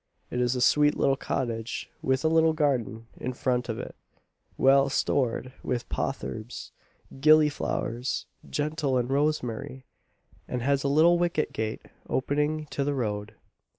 It is a sweet little cottage, with a little garden in front of it, well stored with potherbs, "gilli flowers gentle and rosemarie;" and has a little wicket gate opening to the road.